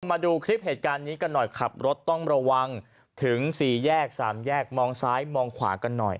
มาดูคลิปเหตุการณ์นี้กันหน่อยขับรถต้องระวังถึงสี่แยกสามแยกมองซ้ายมองขวากันหน่อย